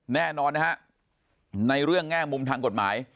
แน่นอนนะฮะในเรื่องแง่มุมทางกฎหมาย